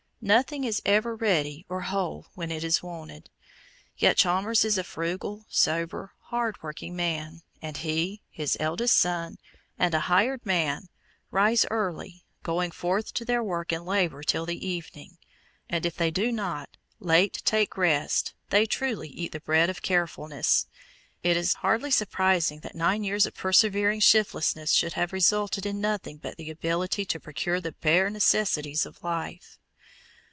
Nothing is ever ready or whole when it is wanted. Yet Chalmers is a frugal, sober, hard working man, and he, his eldest son, and a "hired man" "Rise early," "going forth to their work and labor till the evening"; and if they do not "late take rest," they truly "eat the bread of carefulness." It is hardly surprising that nine years of persevering shiftlessness should have resulted in nothing but the ability to procure the bare necessaries of life.